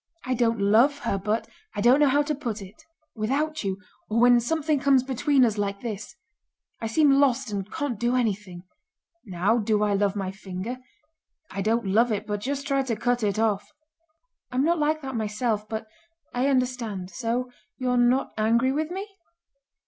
I don't love her, but... I don't know how to put it. Without you, or when something comes between us like this, I seem lost and can't do anything. Now do I love my finger? I don't love it, but just try to cut it off!" "I'm not like that myself, but I understand. So you're not angry with me?"